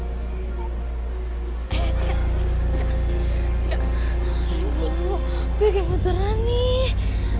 gimana sih gue gue kayak menteran nih